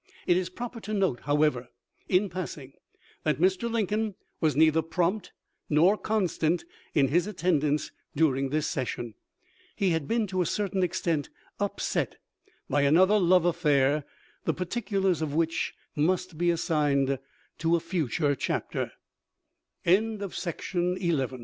It is proper to note, however, in passing, that Mr. Lincoln was neither prompt nor constant in his attendance during the session. He had been to a certain extent " upset " by another love affair, the particulars of which must be assigned to